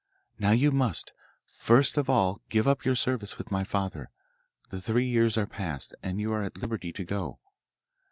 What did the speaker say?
Now you must, first of all, give up your service with my father; the three years are past, and you are at liberty to go.